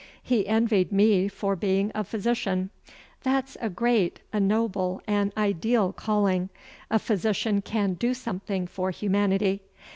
He envied me for being a physician. That's a great, a noble, an ideal calling. A physician can do something for humanity!